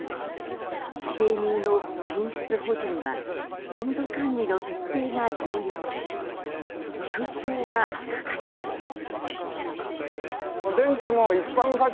生乳の品質保持には温度管理の徹底が重要で空調は欠かせません。